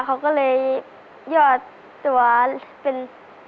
เขาก็เลยยอดตัวเป็นนักสืบ